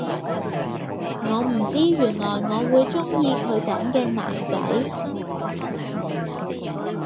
我唔知原來我會鍾意佢噉嘅男仔